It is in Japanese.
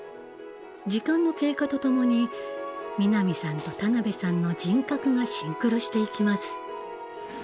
時間の経過とともに南さんと田辺さんの人格がシンクロしていきます。